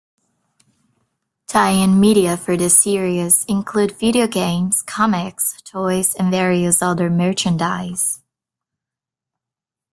Tie-in media for the series include video games, comics, toys and various other merchandise.